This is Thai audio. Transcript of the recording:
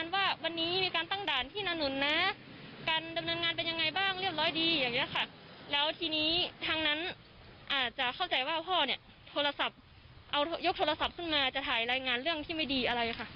แล้วทีนี้ทางนั้นอาจจะเข้าใจว่าพ่อเนี่ยโทรศัพท์ยกโทรศัพท์ขึ้นมาจะถ่ายรายงานเรื่องที่ไม่ดีอะไรค่ะ